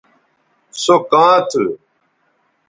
سو کاں تھو